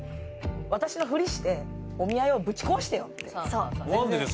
私のふりしてお見合いをぶち壊してよって。